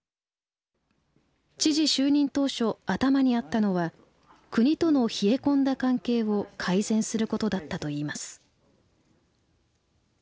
知事就任当初頭にあったのは国との冷え込んだ関係を改善することだったといいます。